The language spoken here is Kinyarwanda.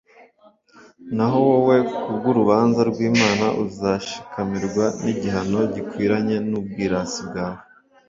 naho wowe, ku bw'urubanza rw'imana uzashikamirwa n'igihano gikwiranye n'ubwirasi bwawe